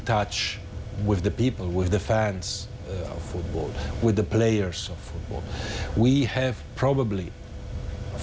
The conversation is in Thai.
ต้องเตรียมเวทีให้พวกเขาฉายแสงความสามารถที่มีอยู่